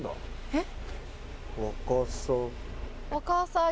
えっ。